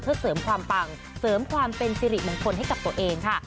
เพื่อเสริมความปังเสริมความเป็นสิริมงคลให้กับตัวเองค่ะ